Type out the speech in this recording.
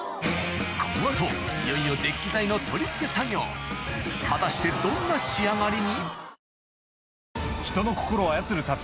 この後いよいよデッキ材の取り付け作業果たしてどんな仕上がりに？